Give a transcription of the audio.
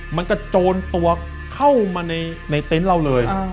มันกระโจนตัวเข้ามาในในเต้นเราเลยอ่อ